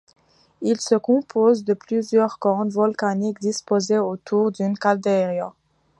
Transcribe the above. Il se compose de plusieurs cônes volcaniques disposés autour d'une caldeira.